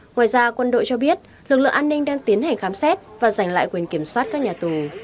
ngoài ra quân đội cho biết lực lượng an ninh đang tiến hành khám xét và giành lại quyền kiểm soát các nhà tù